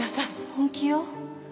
本気よ。